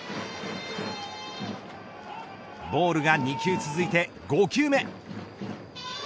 ボールが２球続いて５球目。